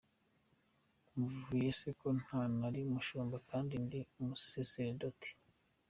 Mvuge se ko ntari umushumba kandi ndi umusaseredoti ?